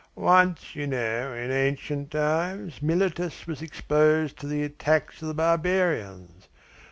Once, you know, in ancient times, Miletus was exposed to the attacks of the barbarians.